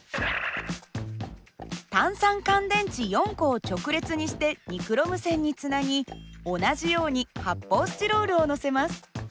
単３乾電池４個を直列にしてニクロム線につなぎ同じように発泡スチロールを載せます。